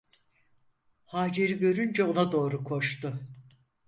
Hacer'i görünce ona doğru koştu.